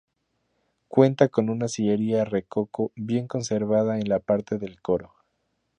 Cuenta con una sillería rococó bien conservada en la parte del coro.